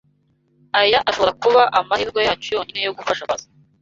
Aya ashobora kuba amahirwe yacu yonyine yo gufasha Pacy.